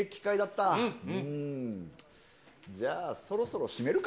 じゃあ、そろそろ締めるか。